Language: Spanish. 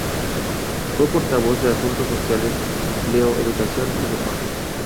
Fue portavoz de asuntos sociales, empleo, educación y deporte.